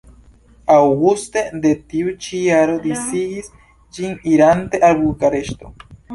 Aŭguste de tiu ĉi jaro disigis ĝin irante al Bukareŝto.